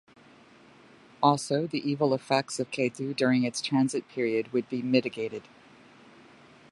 Also the evil effects of Ketu during its transit period would be mitigated.